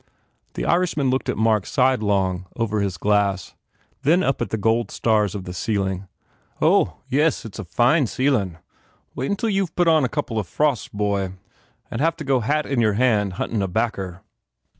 The Irishman looked at Mark sidelong over his 68 FULL BLOOM glass, then up at the gold stars of the ceiling. "Ho! Yes, it s a fine fcelin . Well, wait until youVe put on a couple of frosts, bhoy ! And have to go hat in your hand huntin a backer.